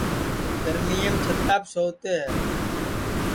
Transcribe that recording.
گرمِیم چھِتاپ سووتے ہے